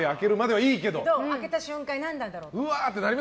開けた瞬間に何だろうって。